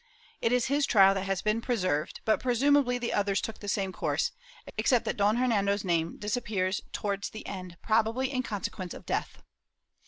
It is his trial that has been preserved, but presumably the others took the same course, except that Don Hernando's name disappears towards the end, probably in conse quence of death.